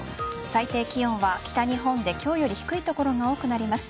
最低気温は北日本で今日より低い所が多くなります。